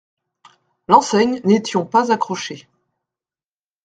L’enseigne n’étiont pas accrochée.